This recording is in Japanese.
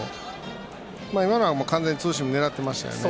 今のは完全にツーシームを狙ってましたよね。